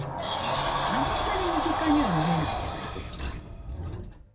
あんまり身近には見れないじゃないですか。